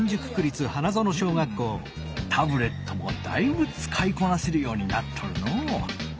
うんタブレットもだいぶつかいこなせるようになっとるのう。